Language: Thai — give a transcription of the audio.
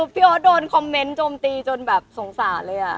พี่ออสโดนคอมเมนต์โจมตีจนแบบสงสารเลย